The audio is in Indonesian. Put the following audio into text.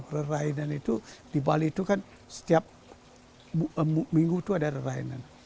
perainan itu di bali itu kan setiap minggu itu ada rerainan